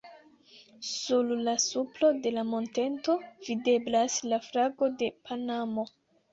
Sur la supro de la monteto, videblas la flago de Panamo.